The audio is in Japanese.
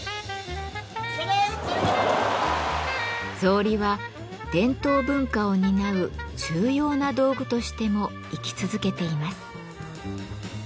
草履は伝統文化を担う重要な道具としても生き続けています。